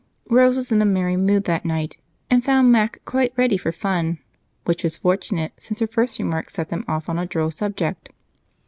Rose was in a merry mood that night, and found Mac quite ready for fun, which was fortunate, since her first remark set them off on a droll subject.